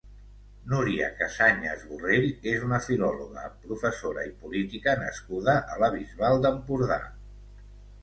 Núria Cassanyes Borrell és una filòloga, professora i política nascuda a la Bisbal d'Empordà.